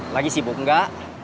lagi sibuk enggak